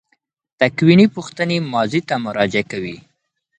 تکویني پوښتنې ماضي ته مراجعه کوي.